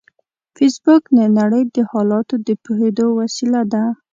فېسبوک د نړۍ د حالاتو د پوهېدو وسیله ده